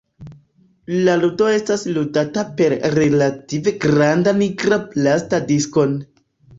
La ludo estas ludata per relative granda nigra plasta diskon.